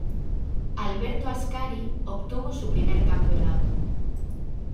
Alberto Ascari obtuvo su primer campeonato.